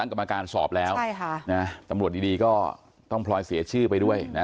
กรรมการสอบแล้วใช่ค่ะนะตำรวจดีก็ต้องพลอยเสียชื่อไปด้วยนะ